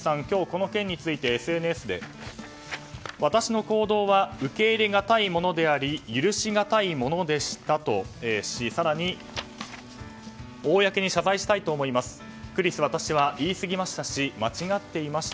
今日この件についてＳＮＳで私の行動は受け入れがたいものであり許しがたいものでしたとし更に、公に謝罪したいと思います。